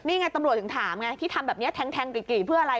นี่ไงตำรวจถึงถามไงที่ทำแบบนี้แทงกรี่เพื่ออะไร